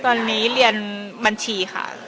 ตอนนี้เรียนบัญชีค่ะ